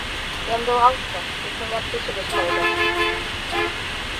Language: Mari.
Ямдылалтса, икмыняр кече гыч каеда.